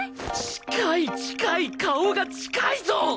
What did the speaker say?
近い近い顔が近いぞ！